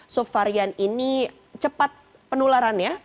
subvarian ini cepat penularannya